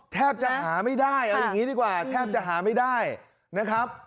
แทบจะหาไม่ได้เอาอย่างนี้ดีกว่าแทบจะหาไม่ได้นะครับ